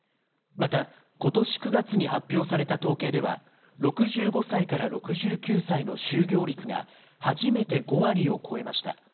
また、ことし９月に発表された統計では、６５歳から６９歳の就業率が初めて５割を超えました。